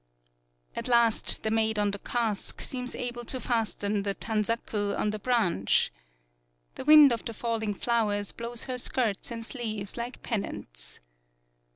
At last the maid on the cask seems able to fasten the Tanzaku on the branch. The wind of the falling flowers blows her skirts and sleeves like pen nants.